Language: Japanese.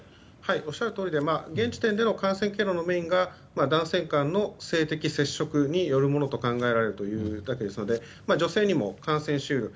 おっしゃるとおりで現時点での感染経路のメインが男性間の性的接触によるものと考えられるというだけですので女性にも感染し得る。